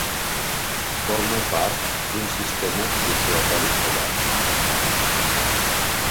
Forma part d'un sistema circulatori obert.